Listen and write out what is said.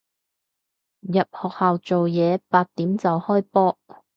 入學校做嘢，八點就開波